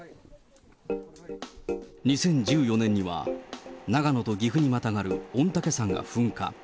２０１４年には、長野と岐阜にまたがる御岳山が噴火。